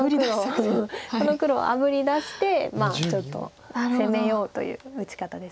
この黒をあぶり出してまあちょっと攻めようという打ち方です。